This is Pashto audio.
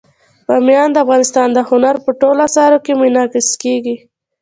بامیان د افغانستان د هنر په ټولو اثارو کې منعکس کېږي.